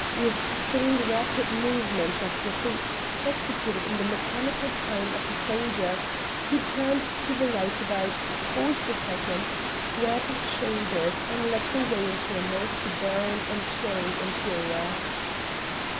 With three rapid movements of the feet, executed in the mechanical time of a soldier, he turned to the right about, paused a second, squared his shoulders, and led the way into a most barren and chilly interior.